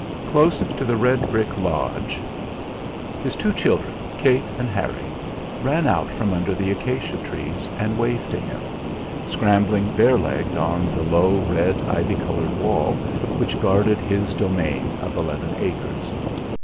Close to the red brick lodge his two children, Kate and Harry, ran out from under the acacia trees, and waved to him, scrambling bare legged on to the low, red, ivy covered wall which guarded his domain of eleven acres.